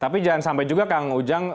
tapi jangan sampai juga kang ujang